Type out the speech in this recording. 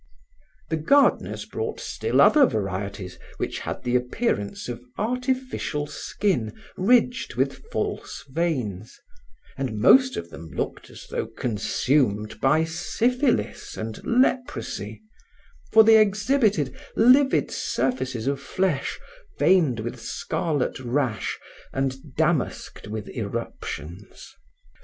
The gardeners brought still other varieties which had the appearance of artificial skin ridged with false veins, and most of them looked as though consumed by syphilis and leprosy, for they exhibited livid surfaces of flesh veined with scarlet rash and damasked with eruptions.